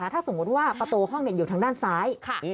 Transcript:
ถ้าสมมุติว่าประตูห้องอยู่ทางด้านซ้าย